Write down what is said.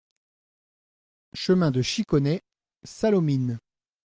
Chemin de Chiconet, Sallaumines